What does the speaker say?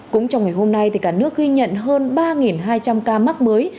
cũng trong ngày hôm nay cả nước ghi nhận hơn ba hai trăm linh ca mắc mới